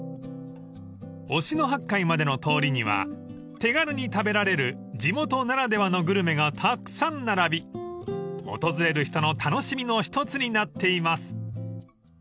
［忍野八海までの通りには手軽に食べられる地元ならではのグルメがたくさん並び訪れる人の楽しみの一つになっています］